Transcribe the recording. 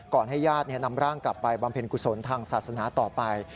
ให้ญาตินำร่างกลับไปบำเพ็ญกุศลทางศาสนาต่อไป